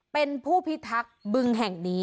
เป็นผู้พิทักษ์บึงแห่งนี้